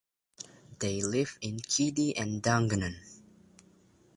They lived in Keady and Dungannon.